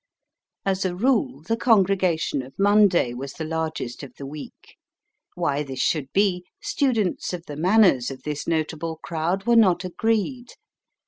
As a rule, the congregation of Monday was the largest of the week. Why this should be, students of the manners of this notable crowd were not agreed.